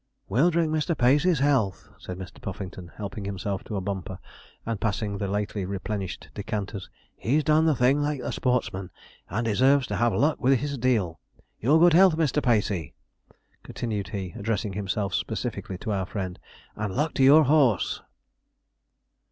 'We'll drink Mr. Pacey's health,' said Mr. Puffington, helping himself to a bumper, and passing the lately replenished decanters. 'He's done the thing like a sportsman, and deserves to have luck with his deal. Your good health, Mr. Pacey!' continued he, addressing himself specifically to our friend, 'and luck to your horse.'